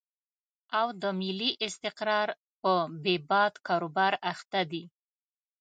او د ملي استقرار په بې باد کاروبار اخته دي.